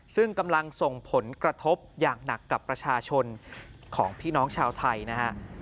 ซึ่งกำลังส่งผลกระทบอย่างหนักกับประชาชนของพี่น้องชาวไทยนะฮะ